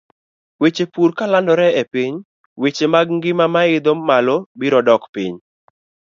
Weche pur kolandore e piny, weche mag ngima ma oidho malo biro dok piny.